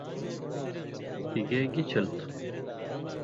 تِگَے گِی چَھل تُھو؟